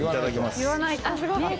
言わないと。